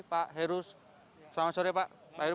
selamat sore pak heru